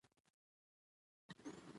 دلته تجربې بالفعل نه، بالقوه مانا لري.